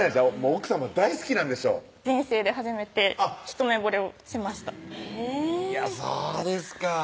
奥さま大好きなんでしょ人生で初めてひと目惚れをしましたそうですか